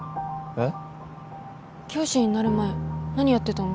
えっ？